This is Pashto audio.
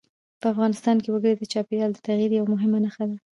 په افغانستان کې وګړي د چاپېریال د تغیر یوه مهمه نښه ده.